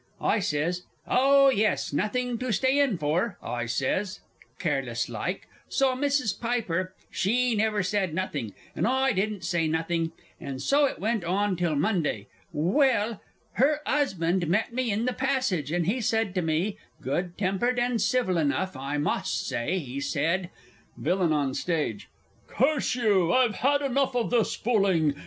I says, "Oh, yes; nothing to stay in for," I says, careless like; so Mrs. Piper, she never said nothing, and I didn't say nothing; and so it went on till Monday well! Her 'usban' met me in the passage; and he said to me good tempered and civil enough, I must say he said (VILLAIN ON STAGE. "Curse you! I've had enough of this fooling!